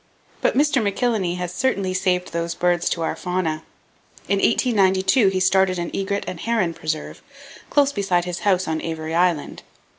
But Mr. McIlhenny has certainly saved those birds to our fauna. In 1892 he started an egret and heron preserve, close beside his house on Avery Island.